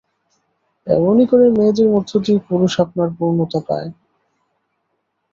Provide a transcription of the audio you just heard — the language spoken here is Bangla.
এমনি করে মেয়েদের মধ্য দিয়ে পুরুষ আপনার পূর্ণতা পায়।